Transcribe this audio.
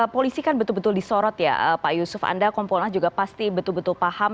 polisi kan betul betul disorot ya pak yusuf anda kompolnas juga pasti betul betul paham